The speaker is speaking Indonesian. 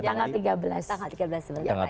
tanggal berapa tanggal tiga belas